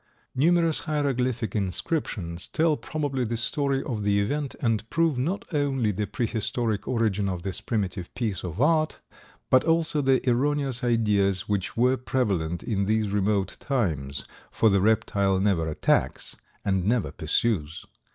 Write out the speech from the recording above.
Numerous hieroglyphic inscriptions tell probably the story of the event and prove not only the prehistoric origin of this primitive piece of art, but also the erroneous ideas which were prevalent in these remote times, for the reptile never attacks and never pursues.